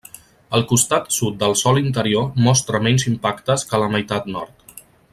El costat sud del sòl interior mostra menys impactes que la meitat nord.